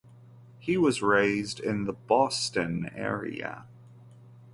He was raised in the Boston area.